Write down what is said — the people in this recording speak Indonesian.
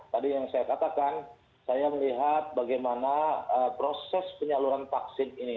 tadi yang saya katakan saya melihat bagaimana proses penyaluran vaksin ini